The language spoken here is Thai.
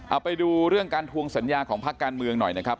เอาไปดูเรื่องการทวงสัญญาของพักการเมืองหน่อยนะครับ